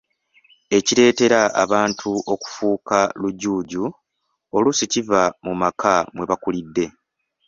Ekireetera abantu okufuuka ba Lujuuju, oluusi kiva mu maka mwebakulidde.